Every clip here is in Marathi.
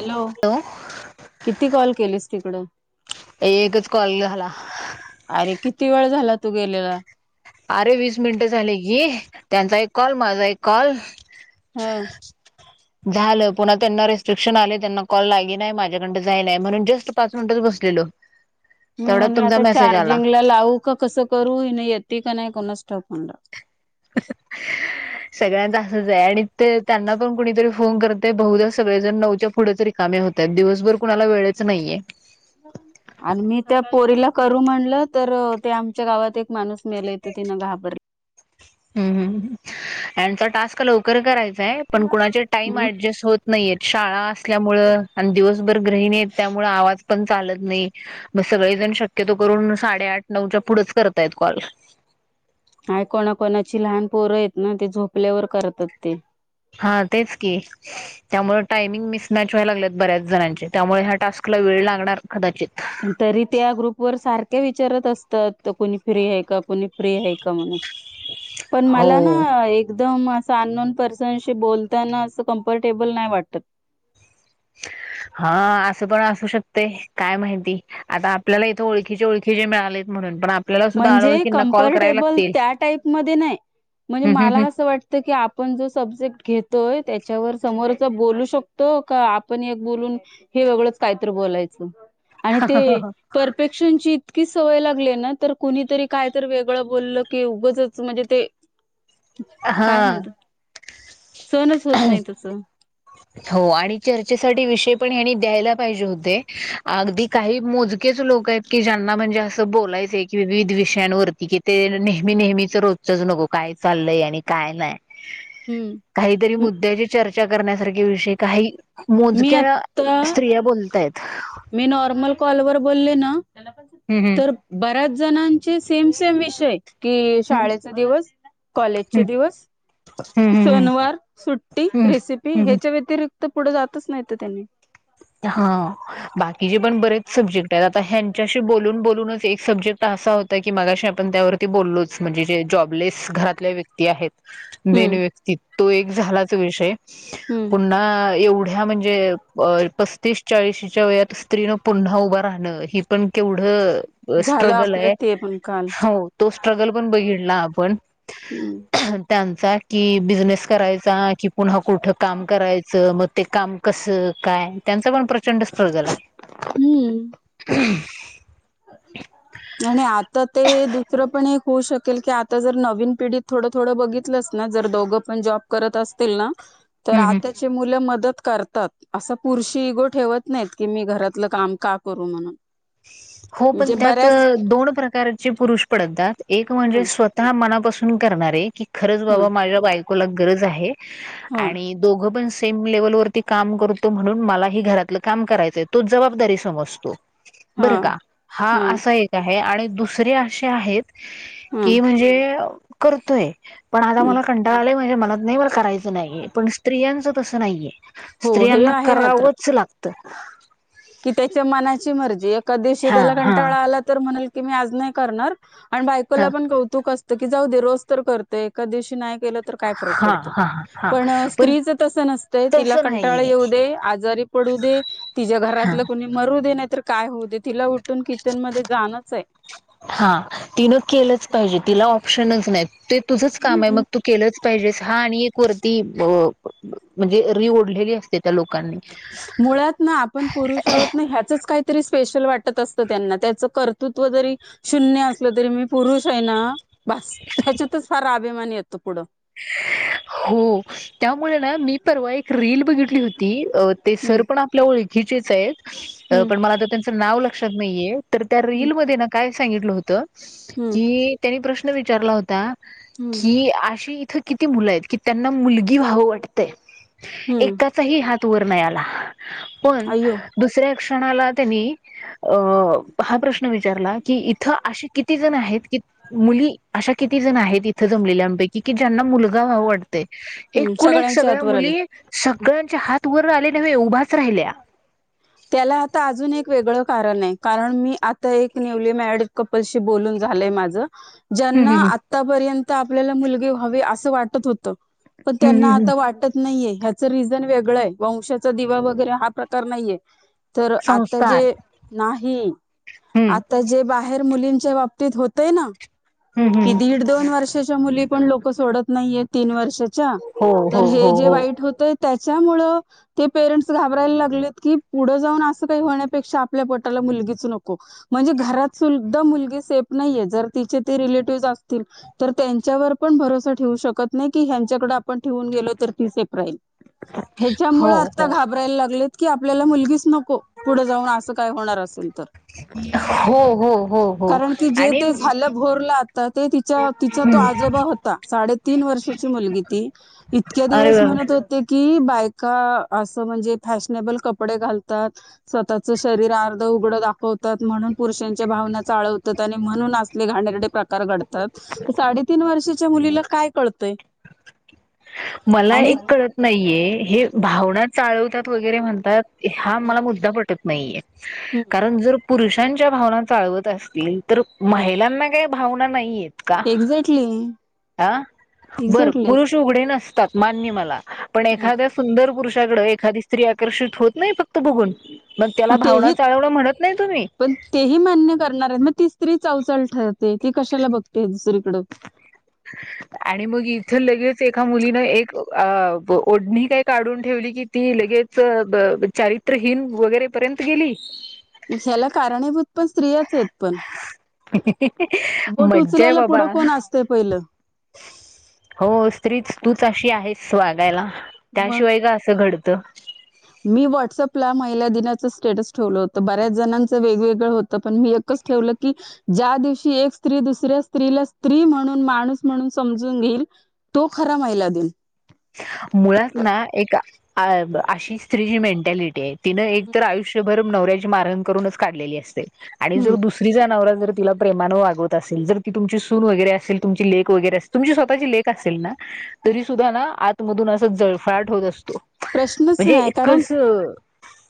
हॅलो, किती कॉल केलीस तिकडं? एकच कॉल झाला. अरे, किती वेळ झाला तू गेलेला? अरे, वीस मिनिटं झाले की, त्यांचा एक कॉल, माझा एक कॉल. हा. झालं. पुन्हा त्यांना रेस्ट्रिक्शन आले, त्यांना कॉल लागीनाय, माझ्याकडं जाईनाय म्हणून जस्ट पाच मिनटच बसलेलो. मी तेवढ्यात म्हणलं, तुमचा आता मेसेज आला चार्जिंगला लावू का? कसं करू? ही नी येती का नाही? कुणास ठाऊक म्हटलं? [unintelligible] सगळ्यांच असंच आहे आणि ते त्यांना पण कुणीतरी फोन करतय. बहुदा सगळे जण नऊच्या पुढं तरी कामे होता यत, दिवसभर कुणाला, वेळच नाहीये. [inaudible] आणि मी, त्या पोरीला करू म्हणलं, तर ते आमच्या गावात एक माणूस मेल, त तिनं घाबर हम्म हम्म, यांचा टास्क लवकर करायचाय, पण कुणाचे टाईम हम्म ॲडजेस्ट होत नही येत, शाळा असल्यामुळ अन, दिवसभर गृहिणी येत, त्यामुळ आवाज पण चालत नही. मग सगळे जण, शक्यतो करून, साडे-आठ नऊच्या, पुढच करतायत कॉल. हाय कोणा-कोणाची लहान पोरं येत ना, ते झोपल्यावर करतात ते हा, तेच की त्यामुळे टायमिंग मिस मॅच व्हाय लागल्यात, बऱ्याच जणांचे, त्यामुळे ह्या टास्कला वेळ लागणार, कदाचित. पण तरी, त्या ग्रुप वर सारखे विचारत असतंत. त कोणी फ्री हय का? कोणी फ्री हय का? म्हणून, पण हो मला ना एक दम असं, अननोन पर्सनशी बोलताना, असं कम्फर्टेबल नाय वाटत. हं, असं पण असू शकतय, काय माहिती आता आपल्याला, इथे ओळखीचे-ओळखीचे मिळालेत म्हणून, पण आप म्हणजे कम्फर्टेबल, त्या टाईपमध्ये नही, म्हणजे हम्म मला हम्म असं वाट त की, आपण जो सब्जेक्ट घेतोय, त्याच्यावर समोरच बोलू शकतो, का आपण एक बोलून? हे वेगळंच कायतर बोलायचं. आणि ते हम्म परफेक्शनची, इतकी सवय लागली ना, तर कुणीतरी, काय तरी वेगळं बोलल, की उगचच, म्हणजे ते काय म्हणता? हा सहणच होत नाही, तसं. हो आणि चर्चेसाठी विषय पण, यांनी द्यायला पाहिजे होते, अगदी, काही मोजकेच लोक, येत की ज्यांना, म्हणजे असं बोलायचंय, की विविध विषयांवरती कि ते नेहमी-नेहमीच, रोजचंच नको, काय चालंय, आणि काय नाय हम्म काहीतरी, मुद्द्याची चर्चा करण्यासारख विषयी काही, मी मोजक्या आता स्त्रिया बोलतायत. मी नॉर्मल कॉलवर, बोलले ना, हम्म तर बऱ्याच जणांचे सेम-सेम विषय कि हम्म शाळेचा दिवस, कॉलेजचे हम्म दिवस हम्म हम्म सनवार, सुट्टी, हम्म हम्म रेसिपी हम्म ह्याच्या व्यतिरिक्त, पुढ जातच नाहीत त्यनी हो, बाकीचे पण बरेच, सब्जेक्ट येतात त, ह्यांच्याशी बोलून-बोलूनच, एक सब्जेक्ट असा होता, की मगाशी आपण त्यावर ते बोललोच, म्हणजे जे जॉबलेस घरातले, व्यक्ती आहेत मेन हम्म व्यक्ती, तो एक झालाच विषय, हम्म पुन्हा एवढ्या म्हण जे पत्तीस-चाळीशीच्या वयात, स्त्रीन पुन्हा उभं राहणं, हे पण, केवढं झालं स्ट्रगल आपलं ये. ते पण काल हो, तो स्ट्रगल पण बघितला, आपण. [inaudible] त्यांचा, कि बिझनेस करायचा, कि पुन्हा कुठं काम करायचं, मग ते काम कसं, काय त्यांच पण, प्रचंड स्ट्रगल हम्म हाय [inaudible] आणि आता, ते दुसरं पण एक होऊ शकेल की, आता जर नवीन पिढीत, थोडं-थोडं बघि तलंसना, जर दोघं पण जॉब करत असतील ना, तर हं, हं. आत्ताचे मुल मदत कर तात, असं पुरूषी इगो ठेवत नाहीत, की मी घरातलं काम, का करू म्हणून? हो पण म्हणजे त्यात, बऱ्याच अ दोन प्रकारचे पुरुष पडतात, एक ह म्हणजे स्व तः मनापासून करणारे, की खरंच ह बाबा, माझ्या बायकोला गरज आहे, ह आणि दोघ पण सेम लेव्हलवरती काम करतो म्हणून, मलाही घरातल काम करायचय तो जबाबदारी समजतो. ह बर का. हा ह असा एक आहे. आणि दुसरे असे आहेत. कि म्हणजे करतोय. पण आता ह मला कंटाळा आलाय माझ्या मनात नाही मला करायच नाहीय पण स्त्रियांच तस नाहीये. हो हे स्त्रियांना आहे मात्र करावच लागत. कि त्याच्या मनाची मर्जी एका दिवशी हां, त्याला हां, कंटाळा आला तर म्हणाल की मी आज नाही करणार आणि बायकोला हां, पण कौतुक असत की जाऊ दे रोज तर करतोय एखाददिवशी नाही केल तर काय फरक हां, पडतो. हां, हां. पण स्त्रीच तस नसतय तिला तसं कंटाळा नाहीये. येऊ दे आजारी पडू दे तिच्या हा घरातल कोुणी मरू दे नाही तर काय होऊ दे तिला उठून किचन मध्ये जाणच हे. हा तिन केलच पाहिजे, तिला ऑप्शनच नाही ते तुझच काम आहे. मग तू केलच पाहिजेस हा आणि एक वरती म्हणजे री ओढलेली असते त्या लोकांनी. मुळात ना आपण पुरुष आहोत ना ह्याचच काय तरी स्पेशल वाटत असत त्यांना त्याच कर्तृत्व जरी शून्य असल तरी मी पुरुष आहे ना. बस ह्याच्यातच फार अभिमान येतो पुढ. हो. त्यामुळे ना मी परवा एक रीली बघितली होती ते हम्म सर पण आपल्या ओळखीचेच आहेत, हम्म पण मला आता त्यानंच नाव लक्षात नाहीये, तर त्या हम्म रीलमध्ये ना काय सांगितल होत हम्म की, त्यांनी प्रश्न विचारला होता. हम्म कि अशी इथ किती मुल आहेत कि त्यांना मुलगी व्हाव वाटतय. हम्म एका चाही हात वर नाही आला पण अय्यो दुसऱ्या क्षणाला त्यांनी अ हा प्रश्न विचारला की इथ आशी किती जण आहेत की, मुली अशा किती जण आहेत इथ जमलेल्यांपैकी की ज्यांना मुल ाव वाटतय हम्म एकूण एक सगळ्यांच्या सगळ्या हातवर आले मुली सगळ्यांच्या हात वर आले म उभाच राहिल्या त्याला आता अजून एक वेगळ कारण आहे कारण मी आता एक न्यूली मॅड कपलशी बोलून झालय माझ हम्म ज्यांना हम्म आतापर्यंत आपल्याला मुलगी हवी अस वाटत होत पण हम्म त्यांना हम्म आता वाटत नाहीये ह्याच रिझन वेगळ आहे वंशाचा दिवा वै गरे हा प्रकार नाही, तर आता संस्कार जे नाही हम्म जे बाहेर मुलींच्या बाबतीत होतय ना हम्म की, हम्म दीड दोन वर्षाच्या मुली पण लोक सोडत नाहीयेत तीन वर्षाच्या, हो हो तर हे हो जे वाईट होते त्याच्यामुळे ते पेरेंट घाबरायला लागलेत की पुढ जाऊन अस काही होण्यापेक्षा आपल्या पोटाला मुलगीच नको. म्हणजे घरात सुद्धा मुलगी सेफ नाहीये जर तिचे ते रिलेटिव्ह असतील. तर त्यांच्यावर पण भरोसा ठेवू शकत नाही की ह्यांच्याकडे आपण ठेवून गेलो तर ती सेफ राहील. हो ह्याच्यामुळे आता हो घाबरायला लागलेत की आपल्याला मुलगीच नको. पुढे जाऊन अस काय होणार असेल तर हो हो हो हो हो कारण कि जे आणि ते झाल भोरलात. आता ते ति तिचा तो आजोबा होता साडेतीन वर्षाची मुलगी ती इतक्या दिवस अरे म्हणत हो होते की बायका अस म्हणजे फॅशनेबल कपडे घालतात स्वतःच शरीर अर्ध उघड दाखवतात म्हणून पुरुषांच्या भावना चाळवतात आणि म्हणून असले घाणेरडे प्रकार घडतात. साडेतीन वर्षाच्या मुलीला काय कळतय. मला एक कळत नाहीये हे भावना चाळवतात वगैरे म्हणतात. हा मला मुद्दा पटत नाहीये, कारण जर पुरुषांच्या भावना चालवत असतील. तर महिलांना काही भावना नाहीे आहेत. का, एक्झॅक्टली हा बर एक्झॅक्टली पुरुष. उगडे नसतात, मान्य आहे मला, पण एखाद्या सुंदर पुरुषाकडे एखादी स्त्री आकर्षित होत नाही फक्त बघून, मग त्याला भावना चाळवण म्हणत नाही तुम्ही. ते ही मान्य करणार आहेत, मग ती स्त्री चवचाल ठरते, ती कशाला बघते दुसरीकडं. [unintelligible] आणि मग इथं लगेच एका मुलीनं, एक ओढणी काही काढून ठेवली की. ती लगेच चारित्रहीन वगैरे पर्यंत गेली. ह्याला कारणीभूत पण स्त्र्रीयाच आहेत पण. बोट मज्जा आहे उचलायला बाबा. पुढं कोण असते पहिलं हो स्त्रीच, तूच अशी आहेस वागायला, मग त्याशिवाय का असं घडत तर. मी व्हॉट्सअपला महिला दिनाचं, स्टेटस ठेवलं होतं, बऱ्याच जणांचं वेगवेगळं होतं पण मी एक. ठेवलं की. ज्या दिवशी एक स्त्री, दुसऱ्या स्त्रीला स्त्री म्हणून, माणूस म्हणून समजून घेईल. तो खरा महिला दिन. मुळात ना एका. अ अशी स्त्री जी मेंटॅलिटी आहे, तिनं एक तर आयुष्यभर नवऱ्याची मारहाण करूनच काढलेली असते. आणि जो दुस स्त्रीचा नवरा जर, तीला प्रेमानं वागवत असेल, जर ती तुमची सून वगैरेल तुमची लेक वैगरे असल. तुमची स्वतःची लेख असेल ना, तरी सुद्धा ना, आतमधून असं जळफळाट होत असतो. प्रश्नच म्हणजे नाही कारण कसं.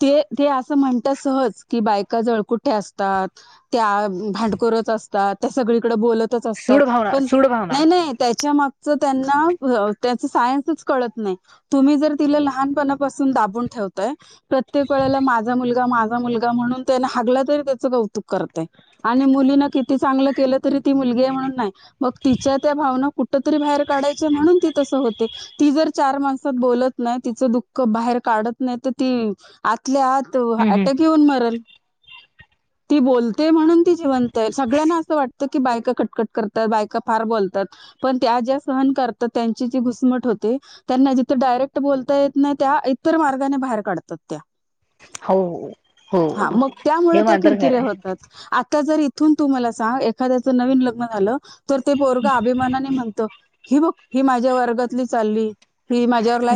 ते, ते, असं म्हणतात, सहज की बायका जळकुठे असतात. त्या भांडकोरच असतात, त्या सगळीकडे बोलतच असतात, सूड भावना पण सूड भावना नाही-नाही. त्याच्या मागच, त्यांना सायन्स कळत नाही, तुम्ही जर. तिला लहानपणापासून दाबून ठेवताय. प्रत्येक वेळेला माझा मुलगा, माझा मुलगा, म्हणून त्याने हागला तरी त्याचं कौतुक करताय. आणि मुलीना किती चांगलं केलं तरी, ती मुलगी आहे म्हणून नाही, मग तिच्या त्या भावना कुठ कुठं तरी बाहेर काढायच म्हणून ती तस होते, ती जर चार माणसात बोलत. नाही तिच दुःख बाहेर काढत नाही तर ती, आतल्या आत हम्म हम्म अटॅक. येऊन मरल, ती बोलते म्हणून ती जिवंत आहे, सगळ्यांना असं वाटत. की बायका कटकट करतात, बायका फार बोलतात. पण त्या ज्या सहन करतात, त्यांची जे घुसमट होते, त्यांना जिथे डायरेक्ट. बोलता येत नाही त्या, इतर मार्गाने बाहेर काढतात त्या. हो हा हो मग त्यामुळे हे त्या, मात्र खरं किरकिऱ्या आहे होतात. आता जर इथून तू मला सांग, एखाद्याच नवीन लग्न झालं. तर ते पोरग अभिमानाने म्हणत, ही बघ, ही माझ्या वर्गातली चालली. ही माझ्यावर ला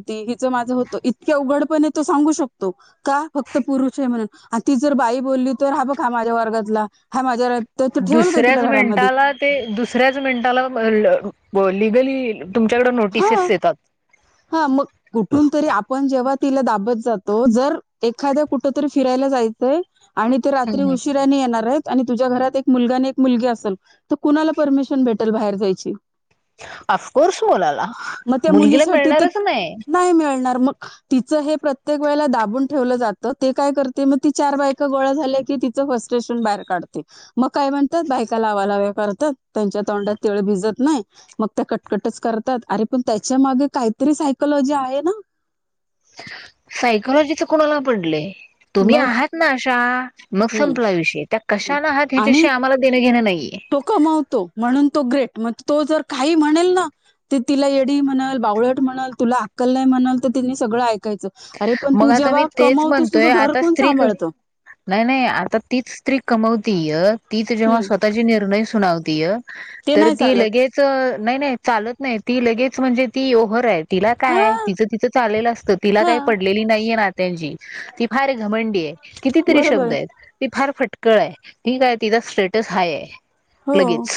हिच माझं होतं, इतक्या उघडपणे तो सांगू शकतो. का फक्त पुरुष आहे म्हणून, ती जर बाई बोलली तर, हा बघ हा माझ्या वर्गातला हा माझ्या वर ला दुसऱ्याच मिनटाला. ते दुसऱ्याच मिनटाला, लिगली तुमच्याकडे हा नोटीसेस येतात. हा मग कुठून तरी आप आपण जेव्हा तिला दाबत जातो, जर एखाद्या कुठ तरी फिरायला जायचंय. आणि ते हम् रात्री हम. उशीर दोनी येनार आहेत आणि तुझ्या घरात मुलगा एक मुलगी असेल तर कुणाला परमिशन भेटेल बाहेर जायची अफकोर्स मुलाला मग त्या मुलगीला मुलीसाठी ते मिळणारच नाही नाही मिळणार मग तिचं हे प्रत्येक वेळेला दाबून ठेवलं जातं ते काय करते मग ती चार बायका गोळा झाल्या की तीच फर्स्टेशन बाहेर काढते मग काय म्हणतात बायका लावा लाव्या करतात त्यांच्या तोंडात तिळ भिजत नाही मग त्या कटकटच करतात अरे पण त्याच्या मागे काहीतरी सायकलॉजी आहे ना सायकलॉजीच कुणाला पडले तुम्ही मग आहात ना अशा मग हम्म संपलाविषयी त्या हं. कशाला आहात आणि ह्याच्यावियी आम्हाला देणं घेणं नाहीये तो कमावतो म्हणून तो ग्रेट मग तो जर काही म्हणेल ना ते तिला एडी म्ह बावळट म्हणल तुला अक्कल नाही म्हणल तर तिनी सगळं ऐकायचं अरे पण मग तू आता मी जेव्हा तेच कमवतोस म्हणतोय तुझं घर आता कोण स्त्री सांभाळतं नाही नाही आता तीच स्त्री कमवतीय तीच जेव्हा हं. स्वतःची निर्णय सुनावतीय ते तर नाही ती चालत. लगेच नाही नाही चालत नाही ती लगेच म्हणजे ती यओहर आहेत तिला काय हां, तिचं तिचं चाललेलं असतं तिला काही हां. पडलेली नाहीये नात्यांची ती फार घमंडी आहे कितीतरी बरोबर शब्द आहे. आहेत. ती फार फटकळ आहे ती काय तिचा स्टेटस हाय आहे. हो लगेच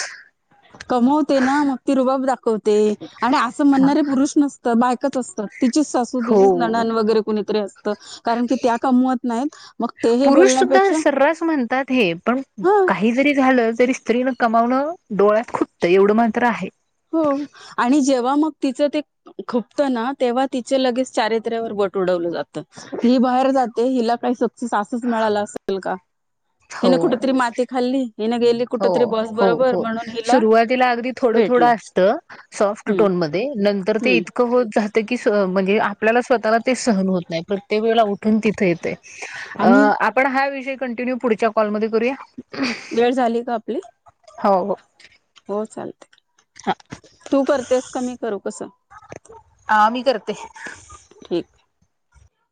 कमवते ना मग ती रुबाब दाखवते आणि असं म्हणणारे पुरुष नसतं बायकच असतात. तिचीच सासू तिचेच हो ननंद वगैरे कुणीतरी असते कारण की त्या कमवत नाहीत. मग ते हे पुरुष सुद्धा बोलण्यापेक्षा सर्रास म्हणतात हे पण हां. काही जरी झालं तरी स्त्रीनं कमावणं डोळ्यात खुटतं एवढं मात्र आहे. हो आणि जेव्हा मग तिचं ते खुपतं ना तेव्हा तिचे लगेच चारित्र्यावर बट उडवलं जातं ही बाहेर जाते हिला काही सक्सेस असच मिळाल असेल का हिन हो कुठतरी माती खाल्ली हीन गेली हो कुठेतरी बॉस हो बरोबर हो म्हणून हिला सुरुवातीला अगदी थोडं भेटलं थोडं असत सॉफ्ट हम्म टोन मध्ये नंतर ते हम्म इतकं होत जाते. म्हणजे आपल्याला स्वतःला ते सहन होत नाही प्रत्येक वेळेला तिथे येतय आणि आपण हा विषय कंटिन्यू पुढच्या कॉलमध्ये करूया झाले का आपले हो हो हो चालते तू करतेस कमी करू कसं हा मी करते ठीक